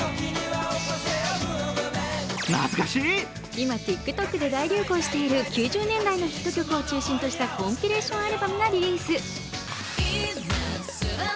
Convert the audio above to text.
今ＴｉｋＴｏｋで大流行している９０年代のヒット曲を中心としたコンピレーションアルバムがリリース。